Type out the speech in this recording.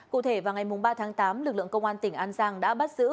cụ thể vào ngày ba tháng tám lực lượng công an tỉnh an giang đã bắt giữ